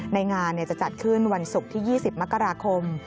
ในงานจะจัดขึ้นวันศุกร์ที่๒๐มกราคม